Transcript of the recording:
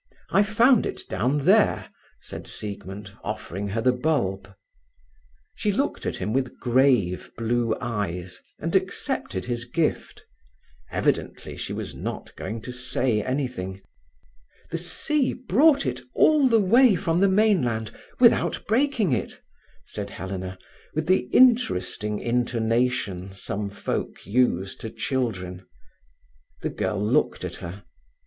I found it down there," said Siegmund, offering her the bulb. She looked at him with grave blue eyes and accepted his gift. Evidently she was not going to say anything. "The sea brought it all the way from the mainland without breaking it," said Helena, with the interesting intonation some folk use to children. The girl looked at her.